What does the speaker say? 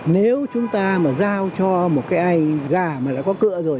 nếu chúng ta mà giao cho một cái gà mà đã có cửa rồi